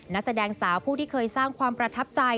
นักแสดงสาวผู้ที่เคยสร้างความประทับใจ